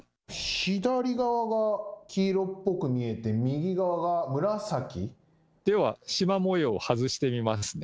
左側が黄色っぽく見えて右側が紫？ではしま模様を外してみますね。